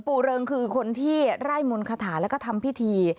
เริงคือคนที่ไร่มนต์คาถาแล้วก็ทำพิธี